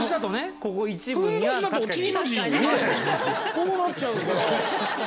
こうなっちゃうから。